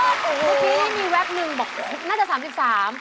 เมื่อกี้มีแวบหนึ่งบอกน่าจะ๓๓